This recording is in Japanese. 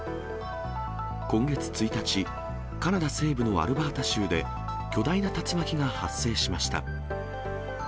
今月１日、カナダ西部のアルバータ州で巨大な竜巻が発生しました。